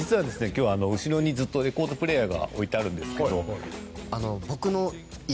今日後ろにずっとレコードプレーヤーが置いてあるんですけど。